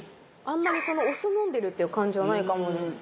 あんまりそのお酢飲んでるっていう感じはないかもです。